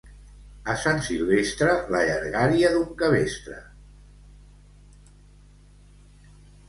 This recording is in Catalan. A Sant Silvestre, la llargària d'un cabestre.